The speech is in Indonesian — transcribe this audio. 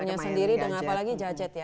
punya sendiri dan apalagi gadget ya